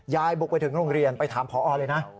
บุกไปถึงโรงเรียนไปถามพอเลยนะ